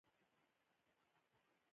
د ژبې زده کړه د یوه فرد شخصیت جوړوي.